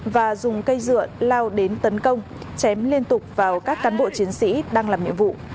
và dùng cây dựa lao đến tấn công chém liên tục vào các cán bộ chiến sĩ đang làm nhiệm vụ